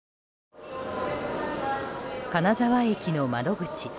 金沢駅の窓口。